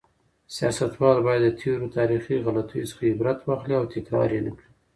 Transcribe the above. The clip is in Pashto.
سیاستوال باید د تېرو تاریخي غلطیو څخه عبرت واخلي او تکرار یې نکړي.